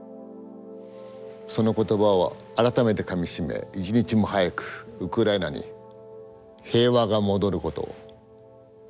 その言葉を改めてかみしめ一日も早くウクライナに平和が戻ることを願っています。